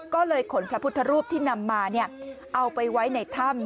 ก็เลยขนพระพุทธรูปที่นำมาเอาไปไว้ในถ้ำ